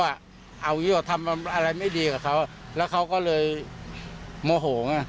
เอาอย่างนี้หรอทำอะไรไม่ดีกับเขาแล้วเขาก็เลยโมโหไง